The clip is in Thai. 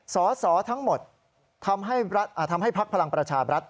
สอสอทั้งหมดทำให้ภักดิ์พลังประชาบรัฐ